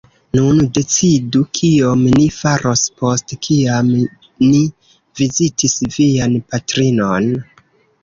Nun decidu, kion ni faros, post kiam ni vizitis vian patrinon?